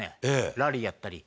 ラリーやったり。